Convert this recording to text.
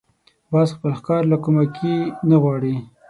باز خپل ښکار له کومکي نه غواړي